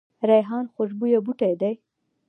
ریحان خوشبویه بوټی دی